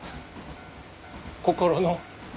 心の。